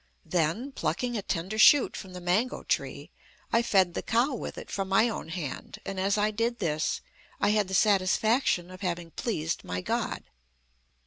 Then, plucking a tender shoot from the mango tree, I fed the cow with it from my own hand, and as I did this I had the satisfaction of having pleased my God.